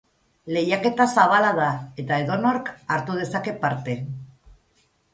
Lehiaketa zabala da eta edonork hartu dezake parte.